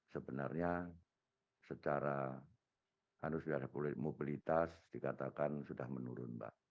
sebenarnya secara anus biara mobilitas dikatakan sudah menurun mbak